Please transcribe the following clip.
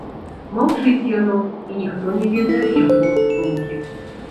Маўчыць яно, і ніхто не ведае яго думкі.